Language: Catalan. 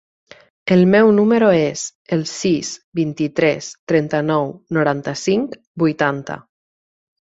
El meu número es el sis, vint-i-tres, trenta-nou, noranta-cinc, vuitanta.